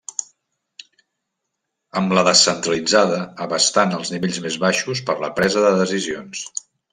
Amb la descentralitzada abastant els nivells més baixos per la presa decisions.